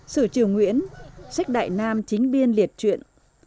sử triều nguyễn sách đại nam chính biên liệt chuyện